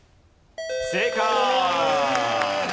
正解。